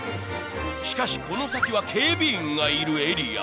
［しかしこの先は警備員がいるエリア］